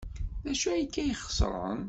D acu akka ay ixeṣren?